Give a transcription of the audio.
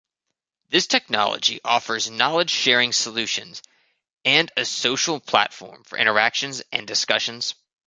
This technology offers knowledge sharing solutions and a social platform for interactions and discussions.